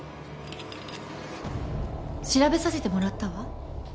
調べさせてもらったわ。